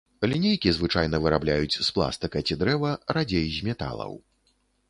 Лінейкі звычайна вырабляюць з пластыка ці дрэва, радзей з металаў.